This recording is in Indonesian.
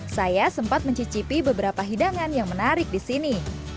saya sempat mencicipi beberapa hidangan yang menarik di sini